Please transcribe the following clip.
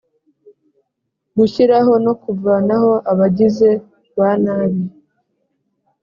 gushyiraho no kuvanaho abagize ba nabi